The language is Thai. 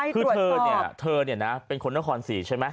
คือเธอเป็นคนนครศรีใช่ไหม